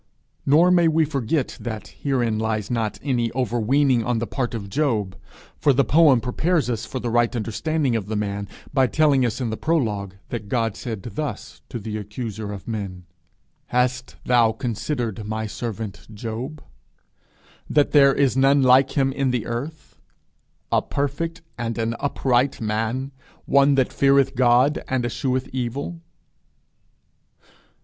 Nor may we forget that herein lies not any overweening on the part of Job, for the poem prepares us for the right understanding of the man by telling us in the prologue, that God said thus to the accuser of men: 'Hast thou considered my servant Job, that there is none like him in the earth, a perfect and an upright man, one that feareth God, and escheweth evil?'